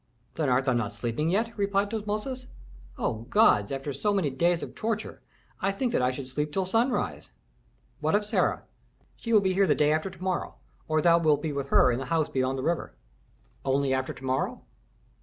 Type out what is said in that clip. "Then art thou not sleeping yet?" replied Tutmosis. "O gods, after so many days of torture! I think that I should sleep until sunrise." "What of Sarah?" "She will be here the day after to morrow, or thou wilt be with her in the house beyond the river." "Only after to morrow!"